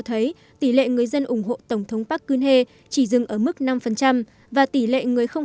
biết tỷ lệ người dân ủng hộ tổng thống park geun hye chỉ dừng ở mức năm và tỷ lệ người không